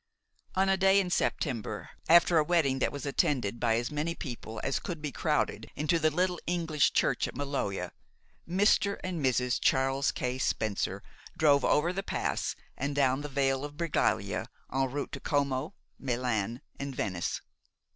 On a day in September, after a wedding that was attended by as many people as could be crowded into the little English church at Maloja, Mr. and Mrs. Charles K. Spencer drove over the pass and down the Vale of Bregaglia en route to Como, Milan, and Venice.